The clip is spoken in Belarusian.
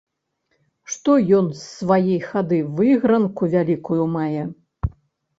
Што ён з свае хады выйгранку вялікую мае?